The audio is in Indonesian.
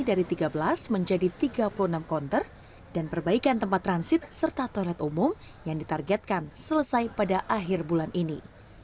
dari tiga belas menjadi tiga puluh enam konter dan perbaikan tempat transit serta toilet umum yang ditargetkan selesai pada akhir bulan ini